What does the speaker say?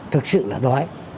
thực sự là đói